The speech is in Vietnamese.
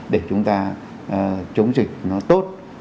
để chúng ta chống dịch nó tốt